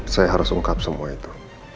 saya harus ungkap semua itu